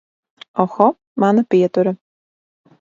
Oho, mana pietura.